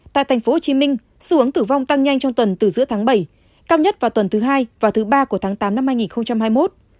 tại tp hcm xu hướng tử vong tăng nhanh trong tuần từ giữa tháng bảy cao nhất vào tuần thứ hai và thứ ba của tháng tám năm hai nghìn hai mươi một